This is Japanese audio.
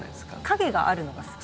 陰があるのが好き？